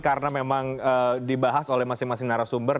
karena memang dibahas oleh masing masing narasumber